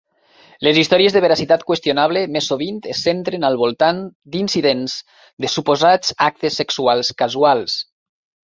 Les històries de veracitat qüestionable més sovint es centren al voltant d'incidents de suposats actes sexuals casuals.